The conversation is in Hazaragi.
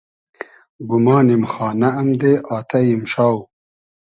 گومانیم خانۂ امدې آتݷ ایمشاو